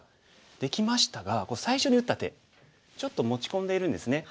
できましたが最初に打った手ちょっと持ち込んでいるんですね。